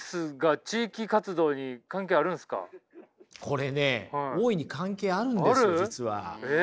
これね大いに関係あるんですよ実は。